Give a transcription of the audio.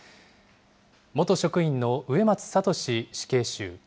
元職員の植松聖死刑囚。